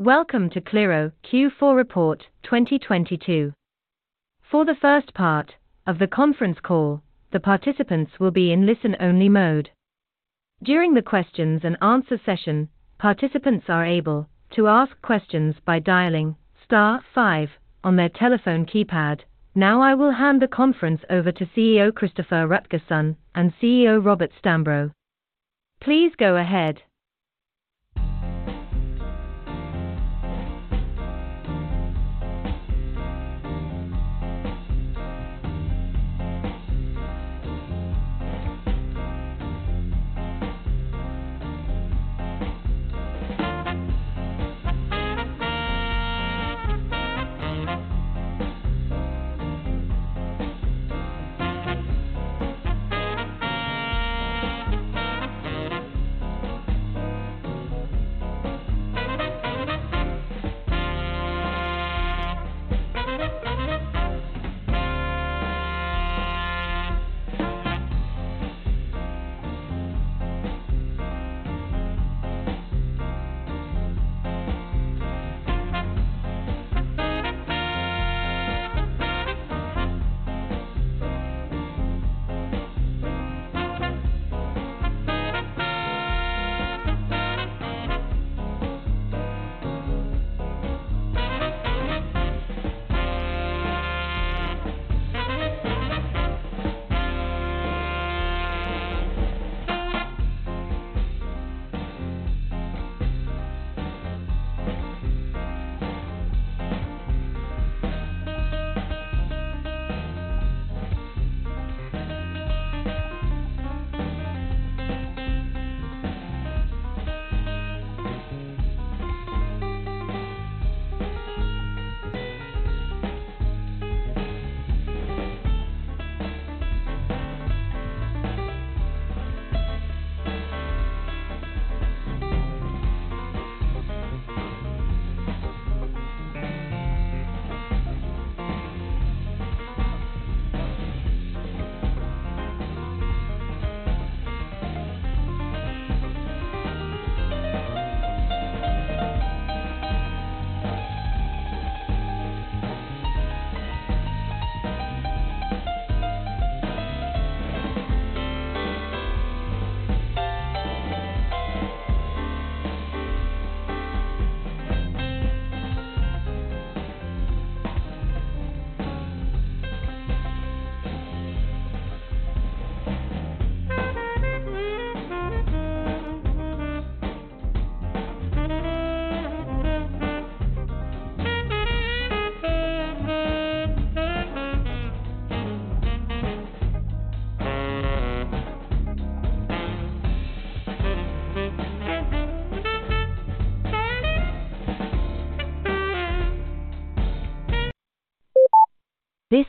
Welcome to Qliro Q4 Report 2022. For the first part of the conference call, the participants will be in listen only mode. During the questions and answer session, participants are able to ask questions by dialing star five on their telephone keypad. Now I will hand the conference over to CEO Christoffer Rutgersson and CFO Robert Stambro. Please go ahead.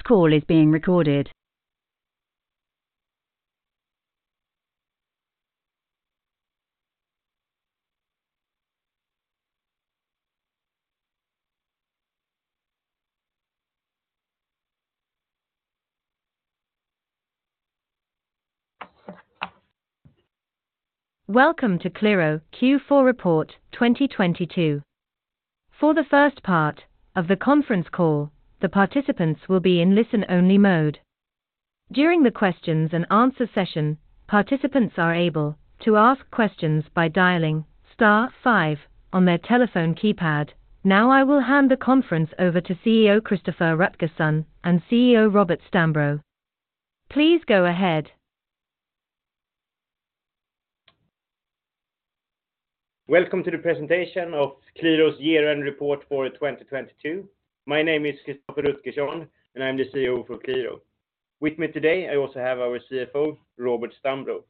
This call is being recorded. Welcome to Qliro Q4 Report 2022. For the first part of the conference call, the participants will be in listen only mode. During the questions and answer session, participants are able to ask questions by dialing star five on their telephone keypad. Now I will hand the conference over to CEO Christoffer Rutgersson and CFO Robert Stambro. Please go ahead. Welcome to the presentation of Qliro's year-end report for 2022. My name is Christoffer Rutgersson, and I'm the CEO for Qliro. With me today, I also have our CFO, Robert Stambro.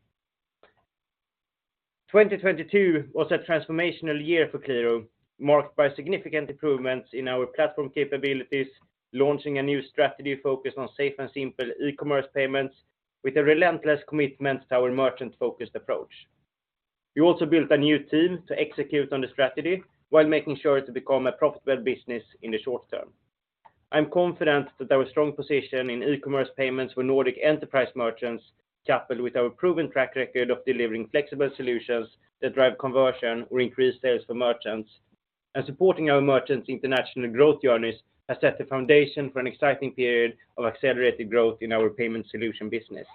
2022 was a transformational year for Qliro, marked by significant improvements in our platform capabilities, launching a new strategy focused on safe and simple e-commerce payments with a relentless commitment to our merchant-focused approach. We also built a new team to execute on the strategy while making sure to become a profitable business in the short term. I'm confident that our strong position in e-commerce payments for Nordic enterprise merchants, coupled with our proven track record of delivering flexible solutions that drive conversion or increase sales for merchants and supporting our merchants international growth journeys has set the foundation for an exciting period of accelerated growth in our payment solution business.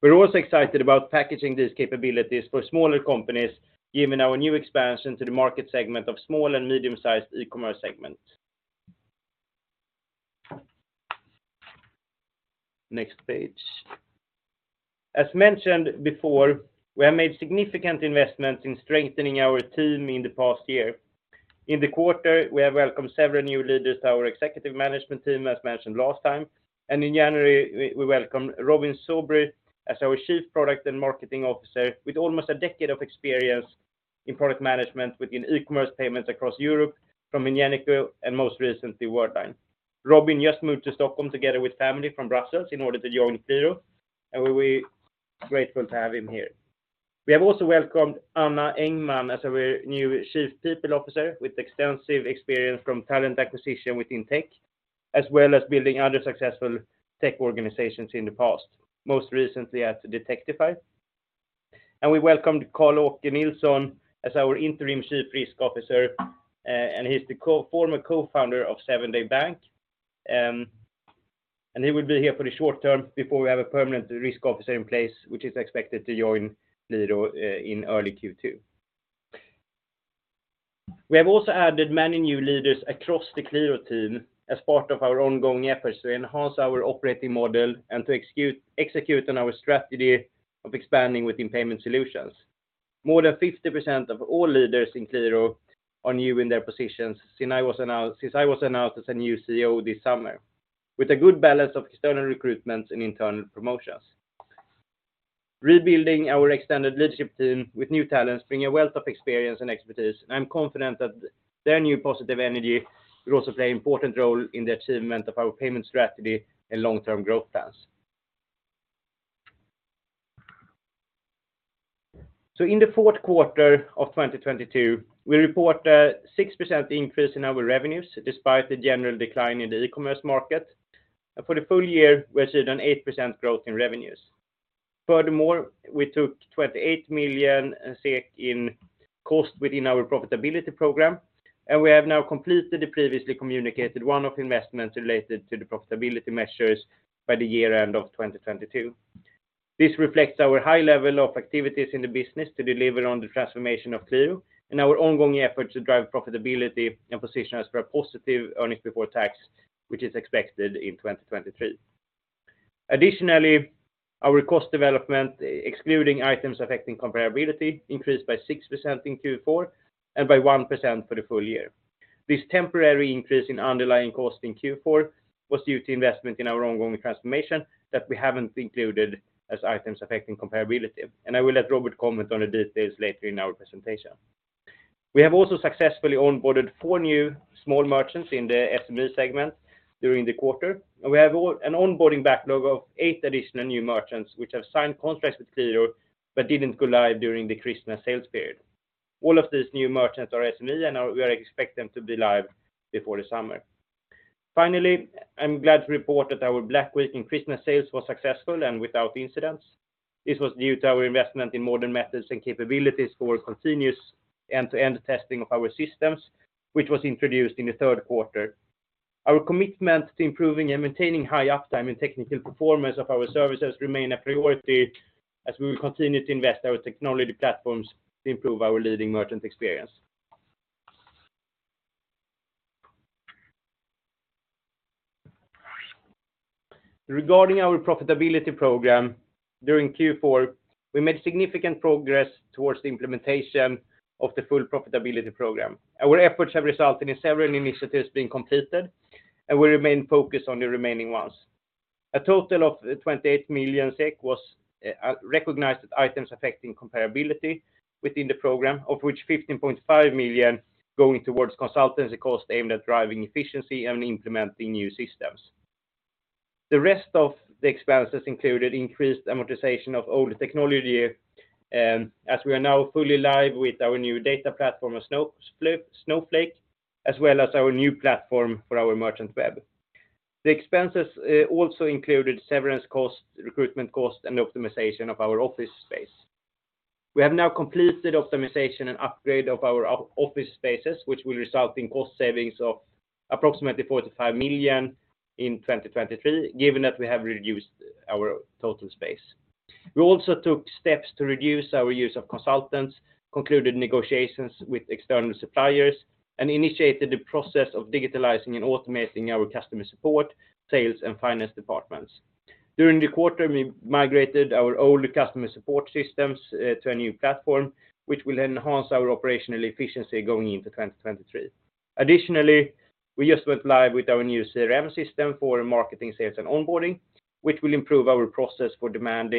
We're also excited about packaging these capabilities for smaller companies, given our new expansion to the market segment of small and medium-sized e-commerce segment. Next page. As mentioned before, we have made significant investments in strengthening our team in the past year. In the quarter, we have welcomed several new leaders to our executive management team, as mentioned last time. In January, we welcomed Robin Soubry as our Chief Product and Marketing Officer with almost a decade of experience in product management within e-commerce payments across Europe from Ingenico and most recently Worldline. Robin just moved to Stockholm together with family from Brussels in order to join Qliro, and we're grateful to have him here. We have also welcomed Anna Engman as our new Chief People Officer with extensive experience from talent acquisition within tech, as well as building other successful tech organizations in the past, most recently at Detectify. We welcomed Carl-Åke Nilsson as our interim Chief Risk Officer, and he's the former co-founder of Sevenday Bank. He will be here for the short term before we have a permanent risk officer in place, which is expected to join Qliro in early Q2. We have also added many new leaders across the Qliro team as part of our ongoing efforts to enhance our operating model and to execute on our strategy of expanding within payment solutions. More than 50% of all leaders in Qliro are new in their positions since I was announced as a new CEO this summer, with a good balance of external recruitments and internal promotions. Rebuilding our extended leadership team with new talents bring a wealth of experience and expertise. I'm confident that their new positive energy will also play an important role in the achievement of our payment strategy and long-term growth plans. In the fourth quarter of 2022, we report a 6% increase in our revenues despite the general decline in the e-commerce market. For the full year, we have seen an 8% growth in revenues. Furthermore, we took 28 million in cost within our profitability program, and we have now completed the previously communicated one-off investments related to the profitability measures by the year-end of 2022. This reflects our high level of activities in the business to deliver on the transformation of Qliro and our ongoing efforts to drive profitability and position us for a positive earnings before tax, which is expected in 2023. Our cost development, excluding items affecting comparability, increased by 6% in Q4 and by 1% for the full year. This temporary increase in underlying cost in Q4 was due to investment in our ongoing transformation that we haven't included as items affecting comparability, I will let Robert comment on the details later in our presentation. We have also successfully onboarded four new small merchants in the SME segment during the quarter, we have an onboarding backlog of eight additional new merchants which have signed contracts with Qliro but didn't go live during the Christmas sales period. All of these new merchants are SME, and now we are expecting them to be live before the summer. Finally, I'm glad to report that our Black Week and Christmas sales was successful and without incidents. This was due to our investment in modern methods and capabilities for continuous end-to-end testing of our systems, which was introduced in the third quarter. Our commitment to improving and maintaining high uptime and technical performance of our services remain a priority as we will continue to invest our technology platforms to improve our leading merchant experience. Regarding our profitability program, during Q4, we made significant progress towards the implementation of the full profitability program. Our efforts have resulted in several initiatives being completed, and we remain focused on the remaining ones. A total of 28 million SEK was recognized as items affecting comparability within the program, of which 15.5 million going towards consultancy costs aimed at driving efficiency and implementing new systems. The rest of the expenses included increased amortization of old technology, as we are now fully live with our new data platform of Snowflake, as well as our new platform for our merchant web. The expenses also included severance costs, recruitment costs, and optimization of our office space. We have now completed optimization and upgrade of our office spaces, which will result in cost savings of approximately 45 million in 2023, given that we have reduced our total space. We also took steps to reduce our use of consultants, concluded negotiations with external suppliers, and initiated the process of digitalizing and automating our customer support, sales, and finance departments. During the quarter, we migrated our older customer support systems to a new platform, which will enhance our operational efficiency going into 2023. Additionally, we just went live with our new CRM system for marketing, sales, and onboarding, which will improve our process for demand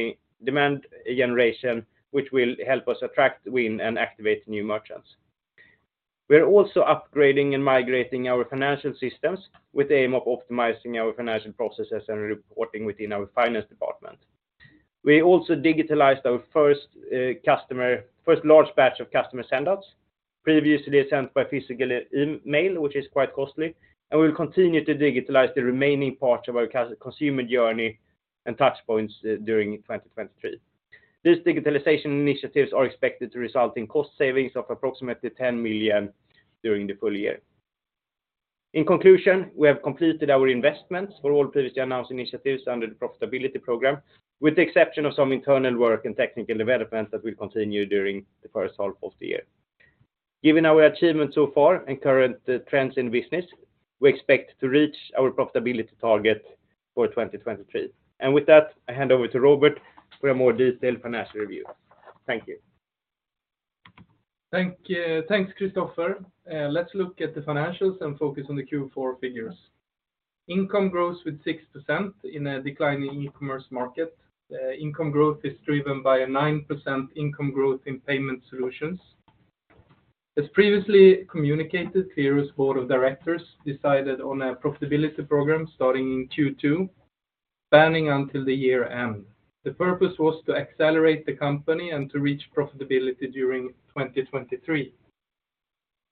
generation, which will help us attract, win, and activate new merchants. We're also upgrading and migrating our financial systems with the aim of optimizing our financial processes and reporting within our finance department. We also digitalized our first large batch of customer sendouts, previously sent by physical e-mail, which is quite costly, and we will continue to digitalize the remaining parts of our consumer journey and touchpoints during 2023. These digitalization initiatives are expected to result in cost savings of approximately 10 million during the full year. In conclusion, we have completed our investments for all previously announced initiatives under the profitability program, with the exception of some internal work and technical developments that will continue during the first half of the year. Given our achievements so far and current trends in the business, we expect to reach our profitability target for 2023. With that, I hand over to Robert for a more detailed financial review. Thank you. Thank you. Thanks, Christopher. Let's look at the financials and focus on the Q4 figures. Income grows with 6% in a declining e-commerce market. Income growth is driven by a 9% income growth in payment solutions. As previously communicated, Qliro's board of directors decided on a profitability program starting in Q2, spanning until the year end. The purpose was to accelerate the company and to reach profitability during 2023.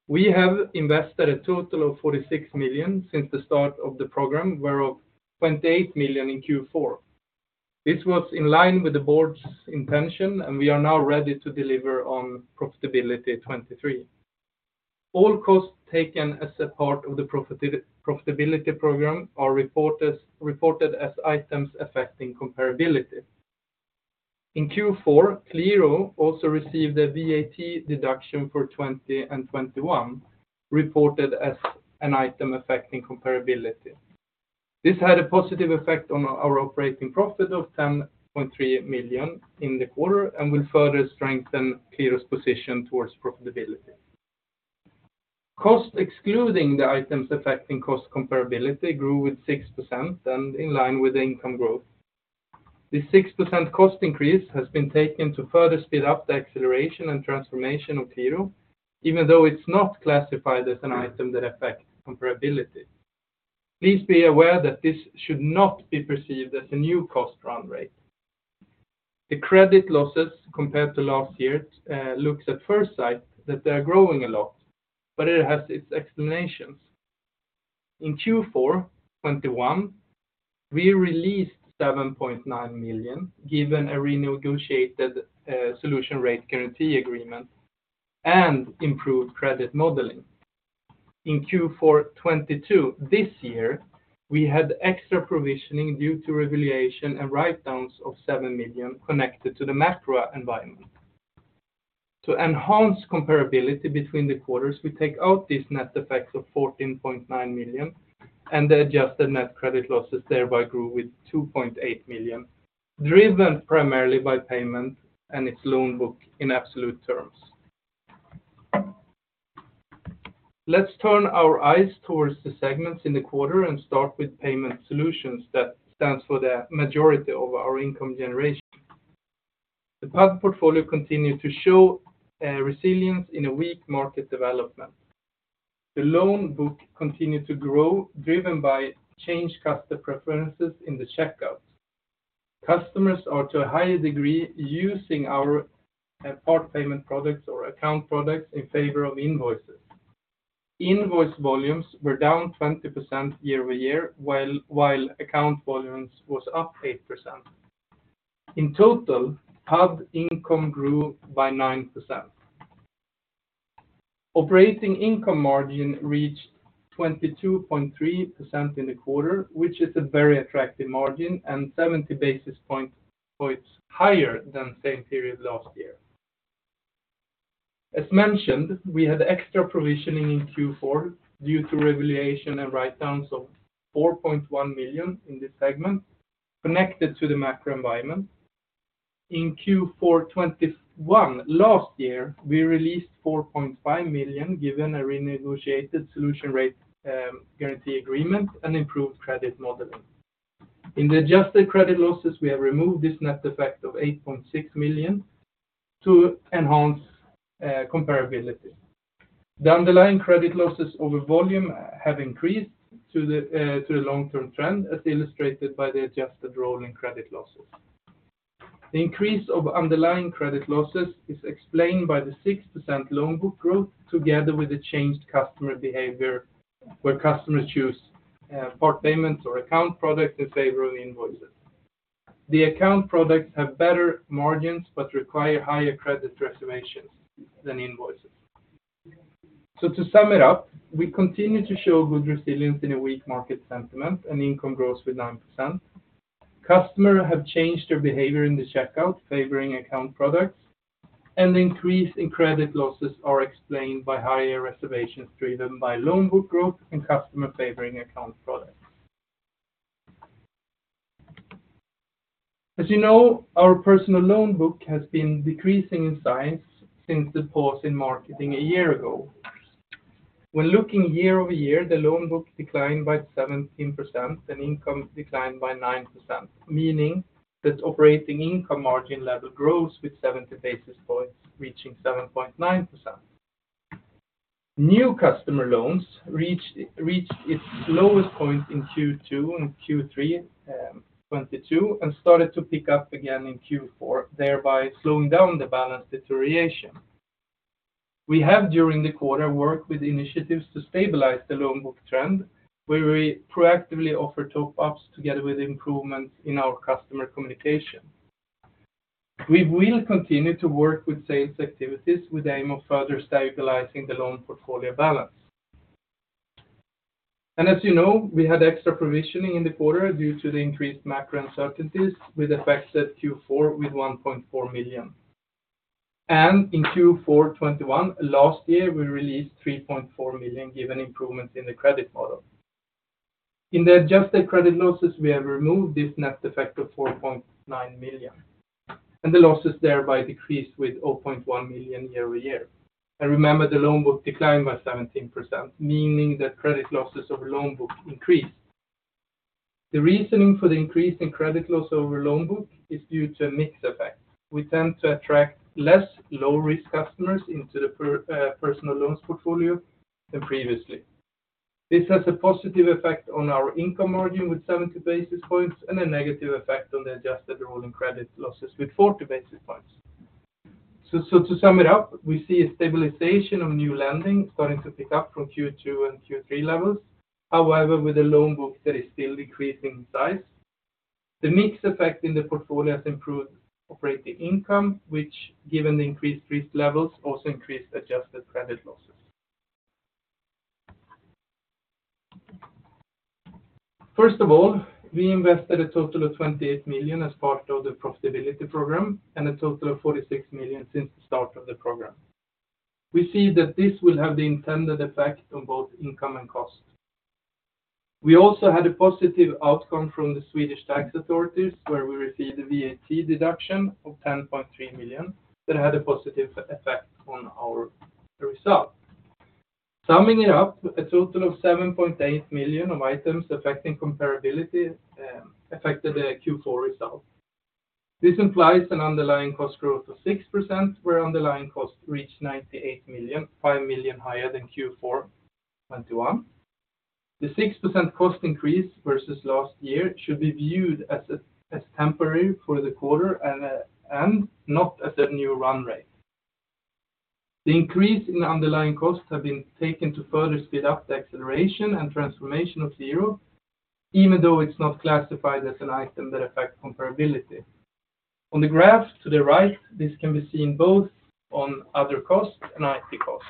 We have invested a total of 46 million since the start of the program, whereof 28 million in Q4. This was in line with the board's intention. We are now ready to deliver on profitability 2023. All costs taken as a part of the profitability program are reported as items affecting comparability. In Q4, Qliro also received a VAT deduction for 2020 and 2021, reported as an item affecting comparability. This had a positive effect on our operating profit of 10.3 million in the quarter and will further strengthen Qliro's position towards profitability. Costs, excluding the items affecting comparability, grew with 6% and in line with income growth. This 6% cost increase has been taken to further speed up the acceleration and transformation of Qliro, even though it's not classified as an item that affects comparability. Please be aware that this should not be perceived as a new cost run rate. The credit losses compared to last year, looks at first sight that they are growing a lot, but it has its explanations. In Q4 2021, we released 7.9 million, given a renegotiated volume guarantee agreement and improved credit modeling. In Q4 2022, this year, we had extra provisioning due to revaluation and write-downs of 7 million connected to the macro environment. To enhance comparability between the quarters, we take out these net effects of 14.9 million, and the adjusted net credit losses thereby grew with 2.8 million, driven primarily by payment and its loan book in absolute terms. Let's turn our eyes towards the segments in the quarter and start with payment solutions that stands for the majority of our income generation. The PAD portfolio continued to show resilience in a weak market development. The loan book continued to grow, driven by changed customer preferences in the checkouts. Customers are to a higher degree using our part payment products or account products in favor of invoices. Invoice volumes were down 20% year-over-year, while account volumes was up 8%. In total, PAD income grew by 9%. Operating income margin reached 22.3% in the quarter, which is a very attractive margin and 70 basis points higher than same period last year. As mentioned, we had extra provisioning in Q4 due to revaluation and write-downs of 4.1 million in this segment connected to the macro environment. In Q4 2021 last year, we released 4.5 million, given a renegotiated solution rate, guarantee agreement and improved credit modeling. In the adjusted credit losses, we have removed this net effect of 8.6 million to enhance comparability. The underlying credit losses over volume have increased through the long-term trend, as illustrated by the adjusted role in credit losses. The increase of underlying credit losses is explained by the 6% loan book growth together with the changed customer behavior, where customers choose part payments or account products in favor of invoices. The account products have better margins but require higher credit reservations than invoices. To sum it up, we continue to show good resilience in a weak market sentiment and income grows with 9%. Customer have changed their behavior in the checkout, favoring account products, and the increase in credit losses are explained by higher reservations driven by loan book growth and customer favoring account products. As you know, our personal loan book has been decreasing in size since the pause in marketing a year ago. When looking year-over-year, the loan book declined by 17% and income declined by 9%, meaning that operating income margin level grows with 70 basis points, reaching 7.9%. New customer loans reached its lowest point in Q2 and Q3 2022 and started to pick up again in Q4, thereby slowing down the balance deterioration. We have during the quarter worked with initiatives to stabilize the loan book trend, where we proactively offer top-ups together with improvements in our customer communication. We will continue to work with sales activities with the aim of further stabilizing the loan portfolio balance. As you know, we had extra provisioning in the quarter due to the increased macro uncertainties with effects at Q4 with 1.4 million. In Q4 2021 last year, we released 3.4 million given improvements in the credit model. In the adjusted credit losses, we have removed this net effect of 4.9 million. The losses thereby decreased with 0.1 million year-over-year. Remember, the loan book declined by 17%, meaning that credit losses over loan book increased. The reasoning for the increase in credit loss over loan book is due to a mix effect. We tend to attract less low-risk customers into the personal loans portfolio than previously. This has a positive effect on our income margin with 70 basis points and a negative effect on the adjusted rolling credit losses with 40 basis points. To sum it up, we see a stabilization of new lending starting to pick up from Q2 and Q3 levels. However, with a loan book that is still decreasing in size. The mixed effect in the portfolio has improved operating income, which given the increased risk levels, also increased adjusted credit losses. First of all, we invested a total of 28 million as part of the profitability program and a total of 46 million since the start of the program. We see that this will have the intended effect on both income and cost. We also had a positive outcome from the Swedish tax authorities, where we received a VAT deduction of 10.3 million that had a positive effect on our result. Summing it up, a total of 7.8 million of items affecting comparability affected the Q4 result. This implies an underlying cost growth of 6%, where underlying costs reach 98 million, 5 million higher than Q4 2021. The 6% cost increase versus last year should be viewed as temporary for the quarter and not as a new run rate. The increase in underlying costs have been taken to further speed up the acceleration and transformation of Qliro, even though it's not classified as an item affecting comparability. On the graph to the right, this can be seen both on other costs and IT costs.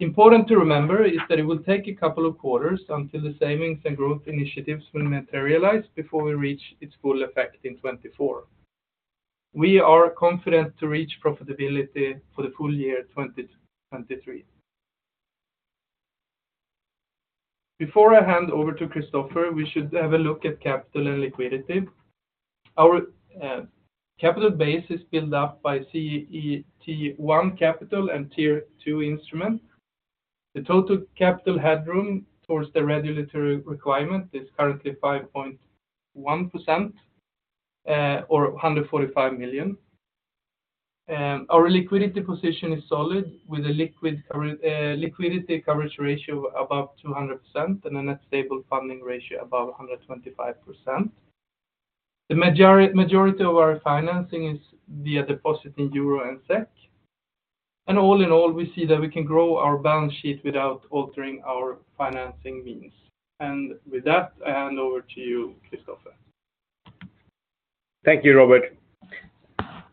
Important to remember is that it will take a couple of quarters until the savings and growth initiatives will materialize before we reach its full effect in 2024. We are confident to reach profitability for the full year 2023. Before I hand over to Christopher, we should have a look at capital and liquidity. Our capital base is built up by CET1 capital and Tier 2 instruments. The total capital headroom towards the regulatory requirement is currently 5.1%, or 145 million. Our liquidity position is solid, with a liquidity coverage ratio above 200% and a net stable funding ratio above 125%. The majority of our financing is via deposit in EUR and SEK. All in all, we see that we can grow our balance sheet without altering our financing means. With that, I hand over to you, Christopher. Thank you, Robert.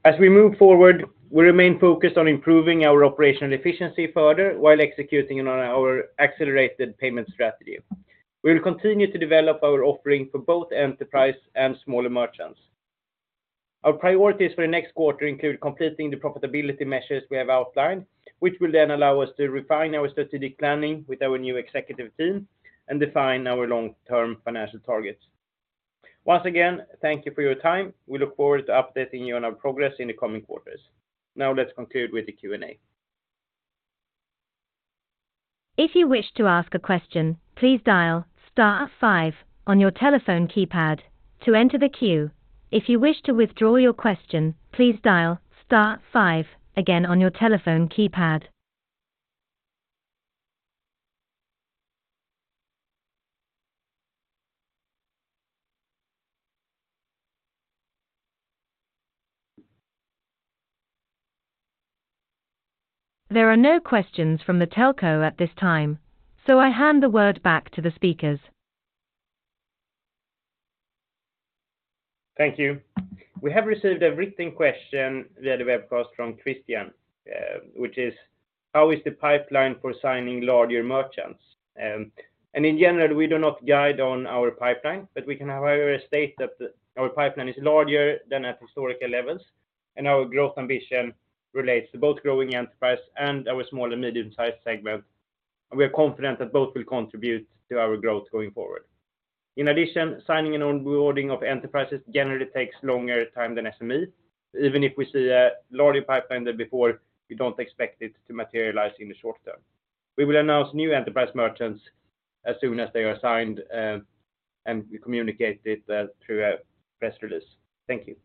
As we move forward, we remain focused on improving our operational efficiency further while executing on our accelerated payment strategy. We will continue to develop our offering for both enterprise and smaller merchants. Our priorities for the next quarter include completing the profitability measures we have outlined, which will then allow us to refine our strategic planning with our new executive team and define our long-term financial targets. Once again, thank you for your time. We look forward to updating you on our progress in the coming quarters. Now let's conclude with the Q&A. If you wish to ask a question, please dial star 5 on your telephone keypad to enter the queue. If you wish to withdraw your question, please dial star 5 again on your telephone keypad. There are no questions from the telco at this time, so I hand the word back to the speakers. Thank you. We have received a written question via the webcast from Christian, which is, how is the pipeline for signing larger merchants? In general, we do not guide on our pipeline, but we can however state that our pipeline is larger than at historical levels, and our growth ambition relates to both growing enterprise and our small and medium-sized segment, and we are confident that both will contribute to our growth going forward. In addition, signing and onboarding of enterprises generally takes longer time than SME. Even if we see a larger pipeline than before, we don't expect it to materialize in the short term. We will announce new enterprise merchants as soon as they are signed, and we communicate it through a press release. Thank you.